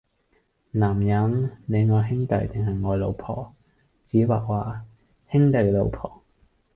男人，你愛兄弟定系愛老婆?子華話：兄弟嘅老婆!